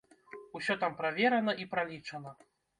Усё там праверана, і пралічана.